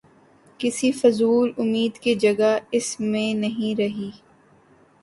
کسی فضول امید کی جگہ اس میں نہیں رہی۔